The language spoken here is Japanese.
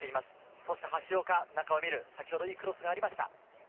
そして橋岡が中を見る、先ほどいいクロスがありました。